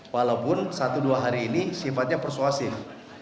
walaupun satu dua hari ini sifatnya persuasif